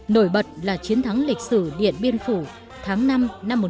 nổi bật là chiến thắng lịch sử điện biên phủ tháng năm năm một nghìn chín trăm năm mươi